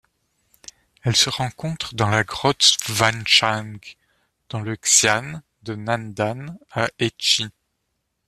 Elle se rencontre dans la grotte Wangshang dans le xian de Nandan à Hechi.